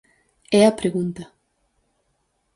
É a pregunta.